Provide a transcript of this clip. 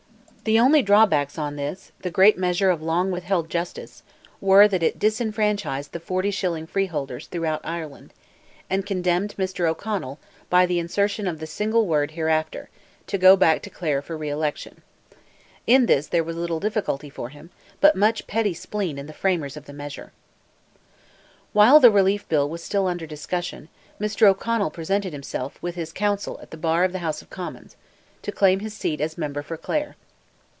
The only drawbacks on this great measure of long withheld justice, were, that it disfranchised the "forty shilling freeholders" throughout Ireland, and condemned Mr. O'Connell, by the insertion of the single word "hereafter," to go back to Clare for re election. In this there was little difficulty for him, but much petty spleen in the framers of the measure. While the Relief Bill was still under discussion, Mr. O'Connell presented himself, with his counsel, at the bar of the House of Commons, to claim his seat as member for Clare.